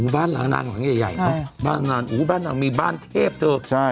บ้านหานานแขวนใหญ่ในบ้านเหมือนมีบ้านเทพเธอ